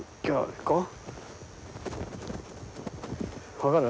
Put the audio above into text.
分かる？